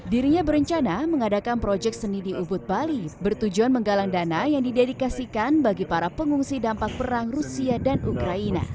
dirinya berencana mengadakan proyek seni di ubud bali bertujuan menggalang dana yang didedikasikan bagi para pengungsi dampak perang rusia dan ukraina